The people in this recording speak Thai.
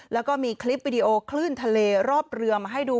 แล้วก็มีคลิปวิดีโอคลื่นทะเลรอบเรือมาให้ดู